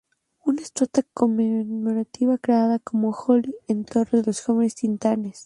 Una estatua conmemorativa es creada para Holly en Torre de los jóvenes Titanes.